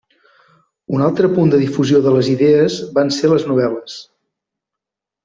Un altre punt de difusió de les idees van ser les novel·les.